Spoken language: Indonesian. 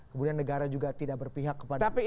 kemudian negara juga tidak berpihak kepada